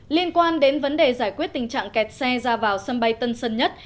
liên quan đến vấn đề giải quyết tình trạng kẹt xe ra vào sân bay tân sơn nhất